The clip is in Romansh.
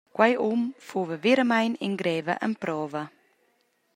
Quei um fuva veramein en greva emprova.